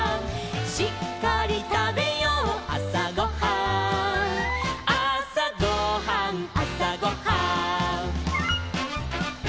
「しっかりたべようあさごはん」「あさごはんあさごはん」